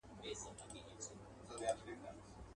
امر دی د پاک یزدان ګوره چي لا څه کیږي.